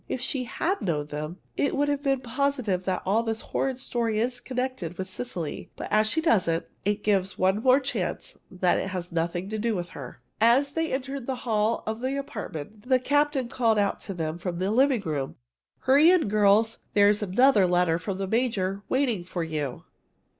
If she had known them, it would have been positive that all this horrid story is connected with Cecily. But as she doesn't, it gives one more chance that it has nothing to do with her." As they entered the hall of the apartment, the captain called out to them from the living room: "Hurry in, girls! There's another letter from the major waiting for you!"